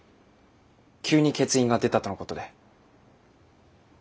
急に欠員が出たとのことで。